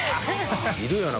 いるよな